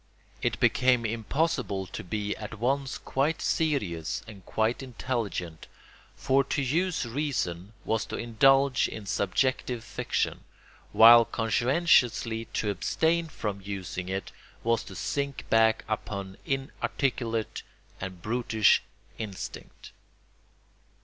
It became impossible to be at once quite serious and quite intelligent; for to use reason was to indulge in subjective fiction, while conscientiously to abstain from using it was to sink back upon inarticulate and brutish instinct.